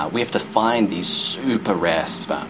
kita harus menemukan sperma yang sangat murah